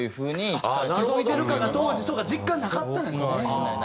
届いてるかが当時そうか実感なかったんですね。